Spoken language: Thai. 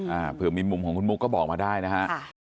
เผื่อมีมุมของคุณมุกก็บอกมาได้นะฮะค่ะ